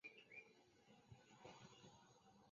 圣昂德雷德瓦尔博尔尼。